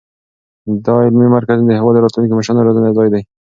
دا علمي مرکز د هېواد د راتلونکو مشرانو د روزنې ځای دی.